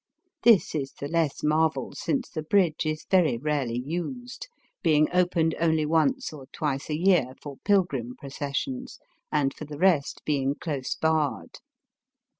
This is the less marvel since the bridge is very rarely used, being opened only once or twice. a year for pilgrim processions^ and for the rest being close barred.